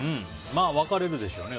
分かれるでしょうね。